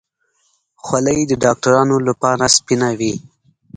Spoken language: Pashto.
خولۍ د ډاکترانو لپاره سپینه وي.